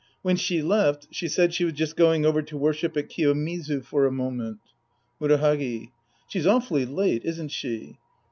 When she left, she said she was just going over to worship at Kiyomizu for a moment. Murahagi. She's awfully late, isn't she